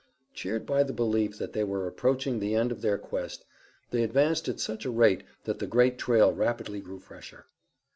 Cheered by the belief that they were approaching the end of their quest they advanced at such a rate that the great trail rapidly grew fresher.